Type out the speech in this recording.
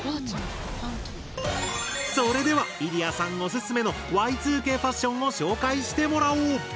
それではイリヤさんおすすめのＹ２Ｋファッションを紹介してもらおう！